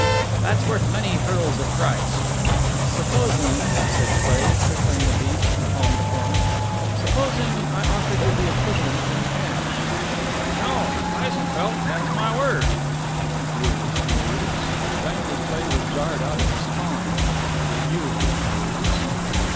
"That's worth many pearls of price!" "Supposing," said Cleigh, trickling the beads from palm to palm "supposing I offered you the equivalent in cash?" "No, Eisenfeldt has my word." "You refuse?" Plainly Cleigh was jarred out of his calm. "You refuse?"